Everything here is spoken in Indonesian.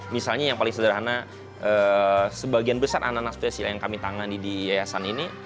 misalnya yang paling sederhana sebagian besar anak anak spesial yang kami tangani di yayasan ini